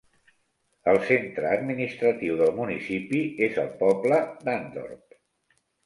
El centre administratiu del municipi és el poble d'Hundorp.